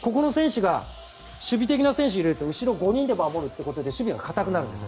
守備的な選手を入れると後ろ、５人で守るということで守備が堅くなります。